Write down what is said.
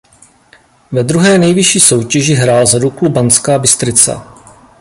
Ve druhé nejvyšší soutěži hrál za Duklu Banská Bystrica.